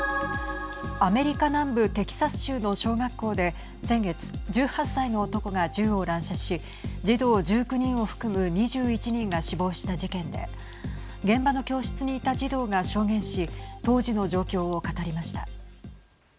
アメリカ南部テキサス州の小学校で先月、１８歳の男が銃を乱射し児童１９人を含む２１人が死亡した事件で現場の教室にいた児童が証言し当時の状況を語りました。